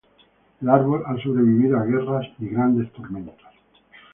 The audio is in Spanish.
El árbol ha sobrevivido a guerras y grandes tormentas.